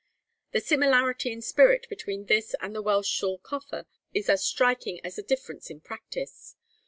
The similarity in spirit between this and the Welsh Sul Coffa is as striking as the difference in practice.